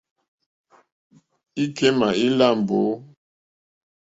Íkémà ílâ mbǒ.